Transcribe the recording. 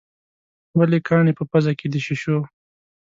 ولې کاڼي په پزه کې د شېشو.